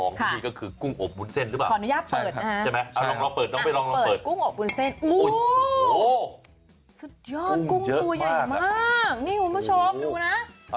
นี่คุณผู้ชมดูนะ